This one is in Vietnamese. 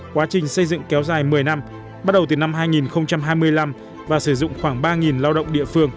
quá trình xây dựng kéo dài một mươi năm bắt đầu từ năm hai nghìn hai mươi năm và sử dụng khoảng ba lao động địa phương